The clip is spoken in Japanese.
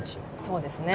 そうですね。